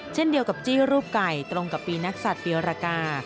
เช่นเดียวกับจี้รูปไก่ตรงกับปีนักศัตว์เปียรกา